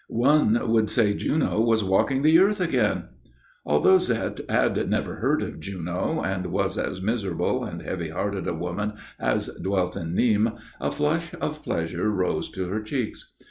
"One would say Juno was walking the earth again." Although Zette had never heard of Juno, and was as miserable and heavy hearted a woman as dwelt in Nîmes, a flush of pleasure rose to her cheeks.